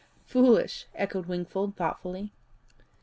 "Foolish!" echoed Wingfold, thoughtfully.